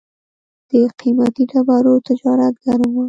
د قیمتي ډبرو تجارت ګرم و